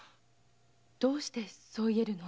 どうしてそう言えるの？